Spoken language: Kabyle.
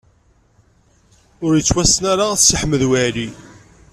Ur yettwassen ara Si Ḥmed Waɛli.